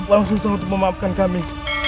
langsung sanggup memaafkan kami